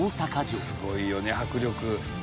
「すごいよね迫力」